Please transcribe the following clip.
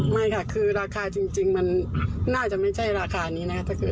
ไม่ไงนะคะราคาจริงจะไม่ใช่ราคานี้